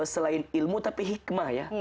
selain ilmu tapi hikmah ya